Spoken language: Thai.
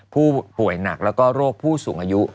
ผู้ป่วยหนักแล้วก็โรคผู้สูงอายุ